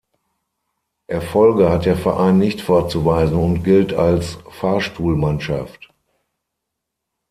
Erfolge hat der Verein nicht vorzuweisen und gilt als "Fahrstuhlmannschaft".